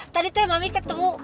tadi teh mami ketemu